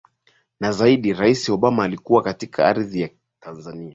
na zaidi Rais Obama alipokuwa katika ardhi ya Tanzania